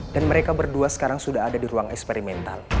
dan mereka berdua sekarang sudah ada di ruang eksperimental